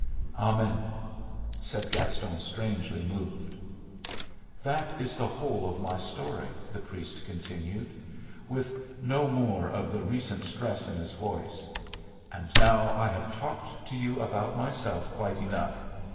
"Amen!" said Gaston, strangely moved. "That is the whole of my story," the priest continued, with no more of the recent stress in his voice. "And now I have talked to you about myself quite enough.